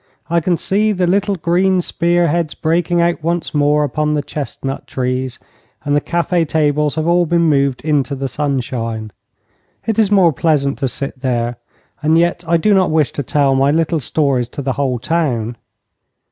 I can see the little green spear heads breaking out once more upon the chestnut trees, and the cafe tables have all been moved into the sunshine. It is more pleasant to sit there, and yet I do not wish to tell my little stories to the whole town.